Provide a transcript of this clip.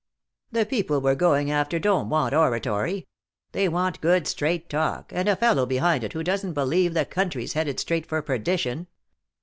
"The people we're going after don't want oratory. They want good, straight talk, and a fellow behind it who doesn't believe the country's headed straight for perdition.